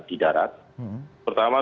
di darat pertama